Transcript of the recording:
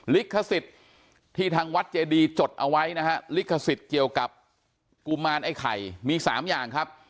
ลิขสิทธิ์ที่ทางวัดเจดีจดเอาไว้นะฮะลิขสิทธิ์เกี่ยวกับกุมารไอ้ไข่มี๓อย่างครับ